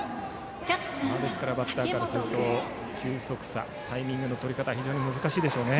ですからバッターからすると球速差タイミングのとり方非常に難しいでしょうね。